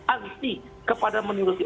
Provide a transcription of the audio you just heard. anti kepada menuruti